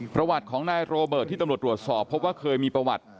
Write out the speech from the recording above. ประวัติของนายโรเบิร์ตที่ตำรวจตรวจสอบพบว่าเคยมีประวัติ